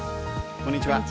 こんにちは。